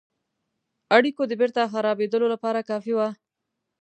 اړېکو د بیرته خرابېدلو لپاره کافي وه.